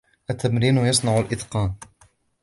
التمرين يصنع الإتقان.